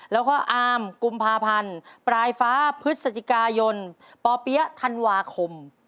แล้วก็อามกุมภาพันธ์ปลายฟ้าพฤศจิกายนปเปี๊ยะธันวาคม